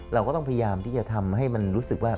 เราก็ต้องพยายามที่จะทำให้มันรู้สึกว่า